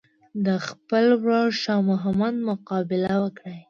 د خپل ورور شاه محمود مقابله وکړي.